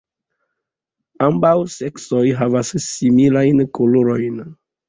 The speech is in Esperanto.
Ambaŭ seksoj havas similajn kolorojn.